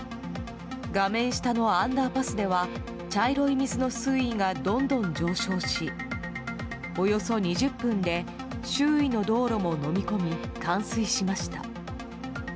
画面下のアンダーパスでは茶色い水の水位がどんどん上昇しおよそ２０分で周囲の道路ものみ込み冠水しました。